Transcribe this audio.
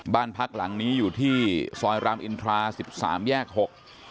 บ้านพักหลังนี้อยู่ที่ซอยรามอินทรา๑๓แยก๖